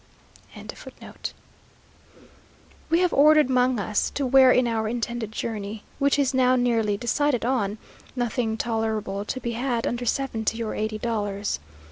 "] We have ordered mangas to wear in our intended journey, which is now nearly decided on nothing tolerable to be had under seventy or eighty dollars.